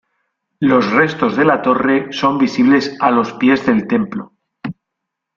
Los restos de la torre son visibles a los pies del templo.